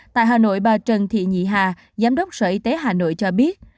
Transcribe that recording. tại hà nội bà trần thị nhị hà giám đốc sở y tế hà nội cho biết